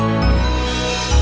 aku mau buktikan